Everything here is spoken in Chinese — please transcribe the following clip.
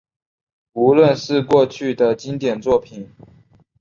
无论是过去的经典作品